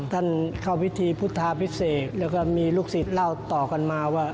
ท่านเข้าพิธีพุทธาพิเศษแล้วก็มีลูกศิษย์เล่าต่อกันมาว่า